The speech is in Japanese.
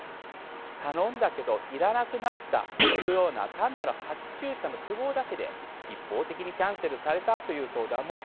頼んだけど要らなくなったというような単なる発注者の都合だけで一方的にキャンセルされたという相談もあります。